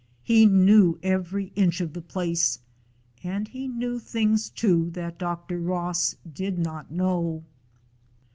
He knew every inch of the place, and he knew things too that Dr. Ross did not know.